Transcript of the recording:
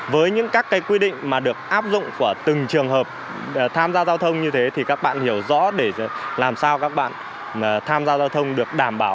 với những các quy định mà được áp dụng của từng trường hợp tham gia giao thông như thế thì các bạn hiểu rõ để làm sao các bạn tham gia giao thông được đảm bảo